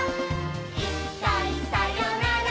「いっかいさよなら